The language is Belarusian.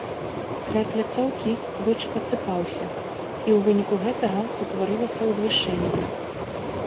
Край пляцоўкі двойчы падсыпаўся, і ў выніку гэтага ўтварылася ўзвышэнне.